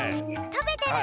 食べてる！